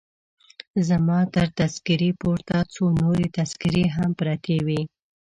زما تر تذکیرې پورته څو نورې تذکیرې هم پرتې وې.